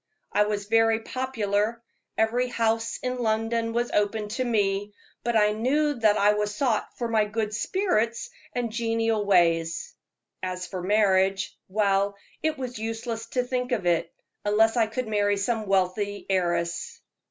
I was very popular every house in London was open to me but I knew that I was sought for my good spirits and genial ways. As for marriage well, it was useless to think of it, unless I could marry some wealthy heiress."